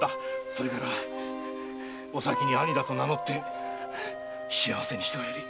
それからおさきに兄だと名乗って幸せにしておやり〕